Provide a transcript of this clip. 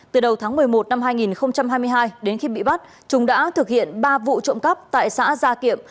từ đầu tháng một mươi một năm hai nghìn hai mươi hai đến khi bị bắt chúng đã thực hiện ba vụ trộm cắp tại xã gia kiệm